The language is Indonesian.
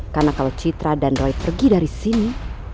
karena kalo citra dan roy pergi dari sini